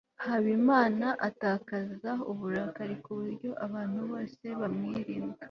habimana atakaza uburakari ku buryo abantu bose bamwirinda